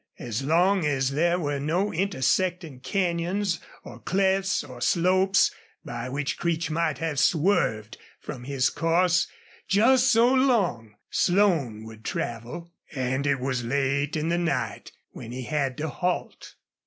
As long as there were no intersecting canyons or clefts or slopes by which Creech might have swerved from his course, just so long Slone would travel. And it was late in the night when he had to halt.